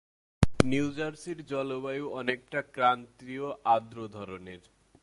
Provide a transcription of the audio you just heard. New জার্সির জলবায়ু অনেকটা ক্রান্তীয় আর্দ্র ধরনের।